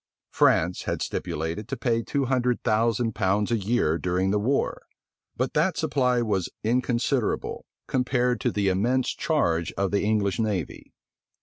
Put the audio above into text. France had stipulated to pay two hundred thousand pounds a year during the war; but that supply was inconsiderable, compared to the immense charge of the English navy.